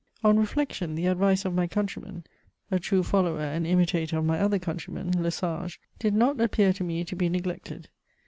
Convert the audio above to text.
On reflection, the advice of my countryman (a true follower and imitator of my other countryman, Le Sage) did not appear to me to be neglected.